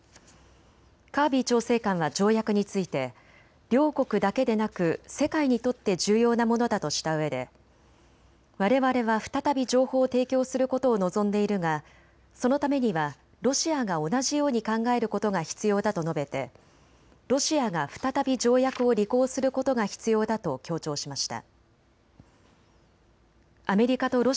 カービー調整官は条約について両国だけでなく世界にとって重要なものだとしたうえでわれわれは再び情報を提供することを望んでいるがそのためにはロシアが同じように考えることが必要だと述べてロシアが再び条約を履行することが必要だと強調しました。